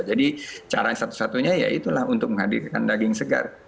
jadi caranya satu satunya ya itulah untuk menghadirkan daging segar